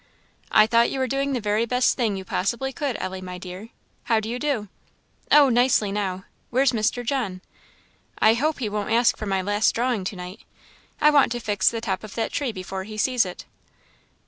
"I thought you were doing the very best thing you possibly could, Ellie, my dear. How do you do?" "Oh, nicely now! where's Mr. John? I hope he won't ask for my last drawing to night; I want to fix the top of that tree before he sees it."